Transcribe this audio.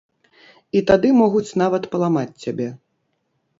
І тады могуць нават паламаць цябе.